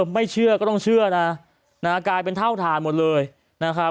ไม่เชื่อก็ต้องเชื่อนะนะฮะกลายเป็นเท่าฐานหมดเลยนะครับ